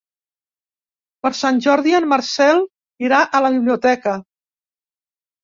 Per Sant Jordi en Marcel irà a la biblioteca.